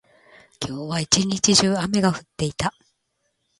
今日は一日中、雨が降っていた。